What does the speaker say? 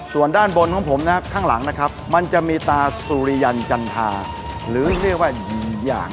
ส่วนด้านบนของข้างหลังมันจะมีตาสุริยัญจัณภา